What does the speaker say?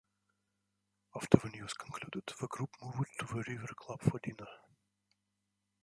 After the news concluded, the group moved to the River Club for dinner.